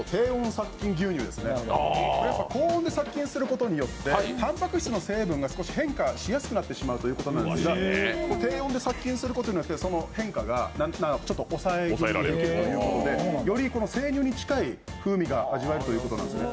これはやっぱ、高温で殺菌することによってたんぱく質の成分が少し変化しやすくなってしまうということで、低温で殺菌することによって、その変化がちょっと抑えられるということでより生乳に近い風味が味わえるということなんですね。